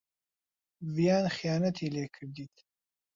ڤیان خیانەتی لێ کردیت.